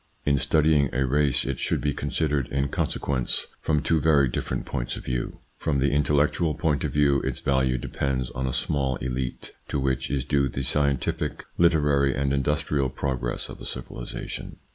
In studying a race it should be considered, in conse quence, from two very different points of view. From the intellectual point of view its value depends on a small elite to which is due the scientific, literary, and industrial progress of a civilisation.